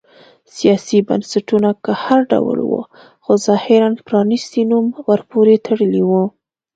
سیاسي بنسټونه که هر ډول و خو ظاهراً پرانیستی نوم ورپورې تړلی و.